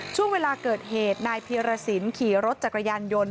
ช่วงเวลาเกิดเหตุนายเพียรสินขี่รถจักรยานยนต์